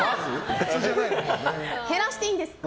減らしていいんですか。